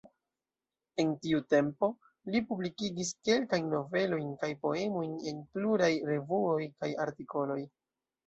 En tiu tempo, li publikigis kelkajn novelojn kaj poemojn en pluraj revuoj kaj artikoloj.